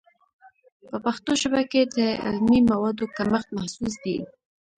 په پښتو ژبه کې د علمي موادو کمښت محسوس دی.